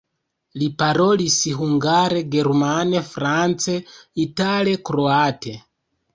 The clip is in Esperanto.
Li parolis hungare, germane, france, itale, kroate.